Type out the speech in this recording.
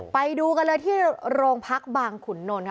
ไปดูกันเลยที่โรงพักบางขุนนท์ค่ะ